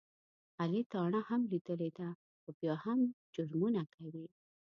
علي تاڼه هم لیدلې ده، خو بیا هم جرمونه کوي.